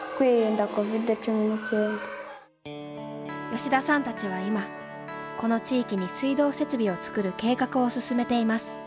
吉田さんたちは今この地域に水道設備を作る計画を進めています。